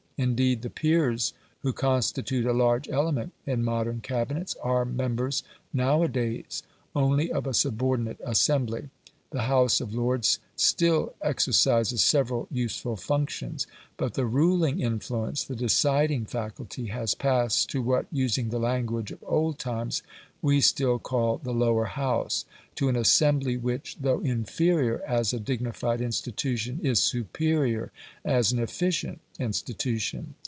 Indeed the peers, who constitute a large element in modern Cabinets, are members, now a days, only of a subordinate assembly. The House of Lords still exercises several useful functions; but the ruling influence the deciding faculty has passed to what, using the language of old times, we still call the lower house to an assembly which, though inferior as a dignified institution, is superior as an efficient institution.